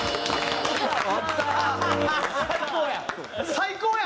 最高や！